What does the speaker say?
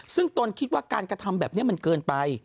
ซึ่งตนคิดว่าการกระทำแบบนี้มันเกินไป